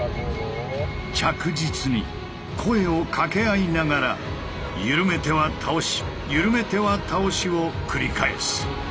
着実に声を掛け合いながら緩めては倒し緩めては倒しを繰り返す。